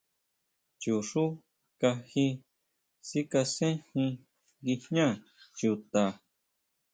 Chuxú kají sikasenjin nguijñá chuta.